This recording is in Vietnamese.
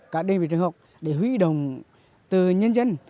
các địa phương trường học để hủy đồng từ nhân dân